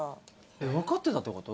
分かってたってこと？